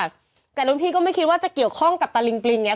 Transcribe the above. แต่รุ่นพี่ก็ไม่คิดว่าจะเกี่ยวข้องกับตะลิงปลิงไง